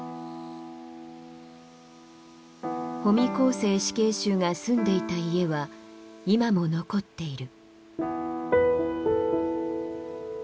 保見光成死刑囚が住んでいた家は今も残っている。